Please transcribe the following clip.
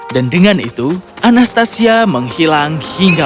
dan dengan itu anastasia menghilang hingga